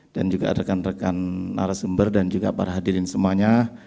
dan juga rekan rekan narasumber dan juga para hadirin semuanya